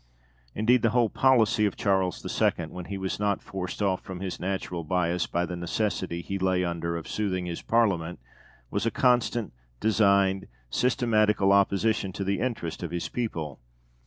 Indeed the whole policy of Charles II., when he was not forced off from his natural bias by the necessity he lay under of soothing his Parliament, was a constant, designed, systematical opposition to the interest of his people.